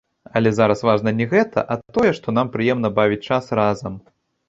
Але зараз важна не гэта, а тое, што нам прыемна бавіць час разам.